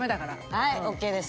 はいＯＫです。